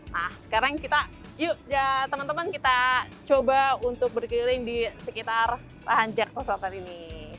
nah sekarang kita yuk teman teman kita coba untuk berkeliling di sekitar rahan jak pos motor ini